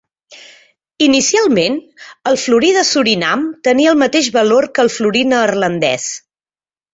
Inicialment, el florí de Surinam tenia el mateix valor que el florí neerlandès.